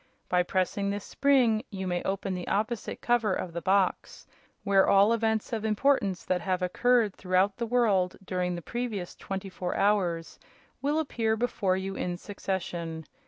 By pressing this spring you may open the opposite cover of the box, where all events of importance that have occurred throughout the world during the previous twenty four hours will appear before you in succession.